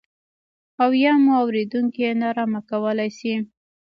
او یا مو اورېدونکي نا ارامه کولای شي.